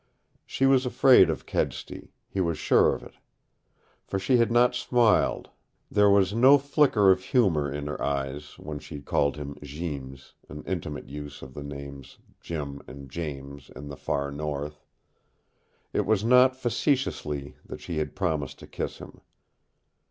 She was afraid of Kedsty. He was sure of it. For she had not smiled; there was no flicker of humor in her eyes, when she called him Jeems, an intimate use of the names Jim and James in the far North. It was not facetiously that she had promised to kiss him.